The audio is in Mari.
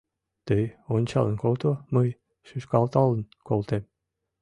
Тый ончалын колто, мый шӱшкалталын колтем